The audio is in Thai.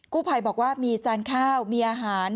ภัยบอกว่ามีจานข้าวมีอาหาร